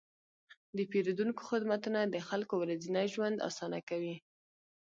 د پیرودونکو خدمتونه د خلکو ورځنی ژوند اسانه کوي.